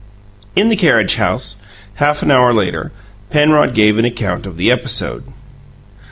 In the carriage house, half an hour later, Penrod gave an account of the episode.